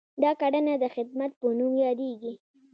دا کړنه د خدمت په نوم یادیږي.